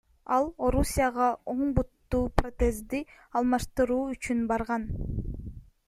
Ал Орусияга оң бутундагы протезди алмаштыруу үчүн барган.